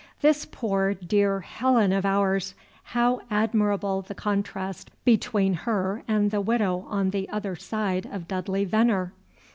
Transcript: This poor, dear Helen of ours! How admirable the contrast between her and the Widow on the other side of Dudley Venner!